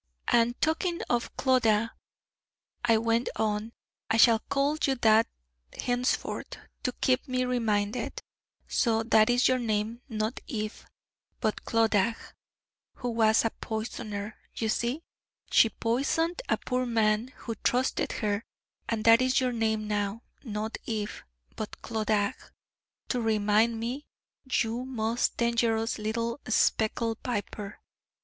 'And talking of Clodagh,' I went on, 'I shall call you that henceforth, to keep me reminded. So that is your name not Eve but Clodagh, who was a Poisoner, you see? She poisoned a poor man who trusted her: and that is your name now not Eve, but Clodagh to remind me, you most dangerous little speckled viper!